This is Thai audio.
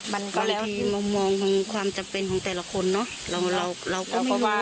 บางทีมองความจำเป็นของแต่ละคนนะ